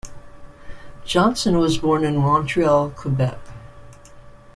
Johnson was born in Montreal, Quebec.